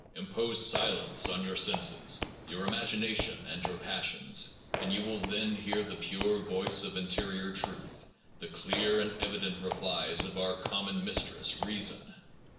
Impose silence on your senses, your imagination, and your passions, and you will then hear the pure voice of interior truth, the clear and evident replies of our common mis tress [reason].